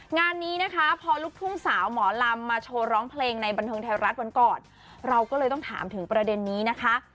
งานนี้นะคะพอลูกทุ่งสาวหมอลำมาโชว์ร้องเพลงในบันเทิงไทยรัฐวันก่อนเราก็เลยต้องถามถึงประเด็นนี้นะคะ